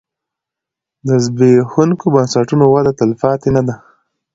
د زبېښونکو بنسټونو وده تلپاتې نه ده.